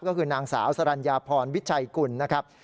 ก็คือนางสาวสรรญาพรวิชัยกุลนะครับ